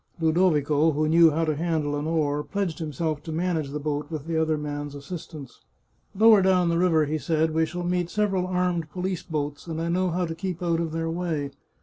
Ludovico, who knew how to handle an oar, pledged himself to manage the boat with th? other man's assistance. " Lower down the river," he said, " we shall meet several armed police boats, and I know how to keep out of their way."